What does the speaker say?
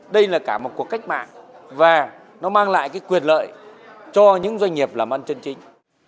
đây là cả một cuộc cách mạng và nó mang lại quyền lợi cho những doanh nghiệp làm ăn chân chính